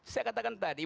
saya katakan tadi